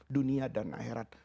dunia dan akhirat